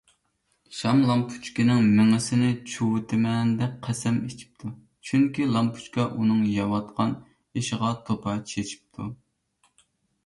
شام لامپۇچكىنىڭ مېڭىسىنى چۇۋۇۋېتىمەن دەپ قەسەم ئىچىپتۇ، چۈنكى لامپۇچكا ئۇنىڭ يەۋاتقان ئېشىغا توپا چېچىپتۇ.